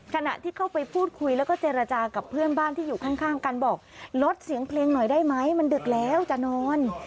ขณะที่เข้าไปพูดคุยแล้วก็เจรจากับเพื่อนบ้านที่อยู่ข้างกันบอกลดเสียงเพลงหน่อยได้ไหมมันดึกแล้วจะนอน